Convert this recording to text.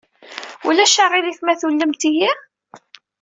Ulac aɣilif ma tullemt-iyi?